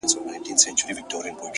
• بېګناه چي د ګناه په تهمت وژني ,